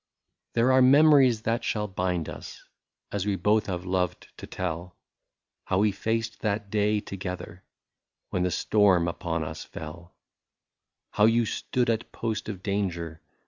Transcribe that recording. There are memories that shall bind us, — As we both have loved to tell, — How we faced that day together, When the storm upon us fell ; How you stood at post of danger.